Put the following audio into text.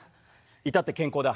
いたって健康だ。